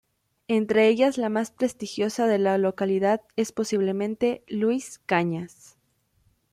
Entre ellas la más prestigiosa de la localidad es posiblemente "Luis Cañas".